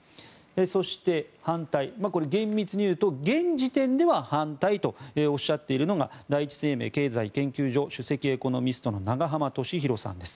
そして、反対これ、厳密に言うと現時点では反対とおっしゃっているのが第一生命経済研究所首席エコノミストの永濱利廣さんです。